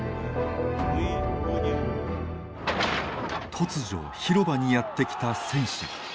突如広場にやって来た戦車。